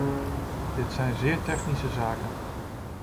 Dit zijn zeer technische zaken.